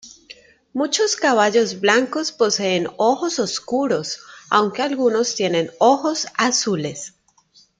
Muchos caballos blancos poseen ojos oscuros, aunque algunos tienen ojos azules.